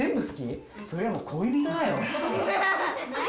それはもう恋人だよ。